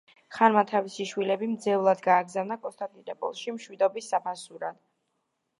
ხანმა თავისი შვილები მძევლად გააგზავნა კონსტანტინოპოლში მშვიდობის საფასურად.